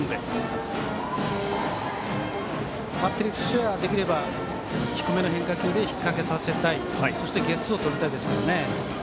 バッテリーとしてはできれば低めの変化球で引っかけさせてそしてゲッツーをとりたいです。